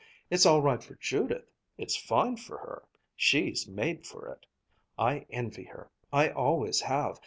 It's all right for Judith, it's fine for her. She's made for it. I envy her. I always have.